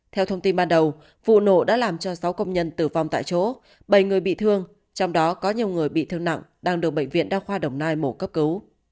theo thông tin ban đầu vụ nổ đã làm cho sáu công nhân tử vong tại chỗ bảy người bị thương trong đó có nhiều người bị thương nặng đang được bệnh viện đa khoa đồng nai mổ cấp cứu